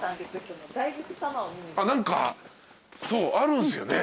何かあるんすよね？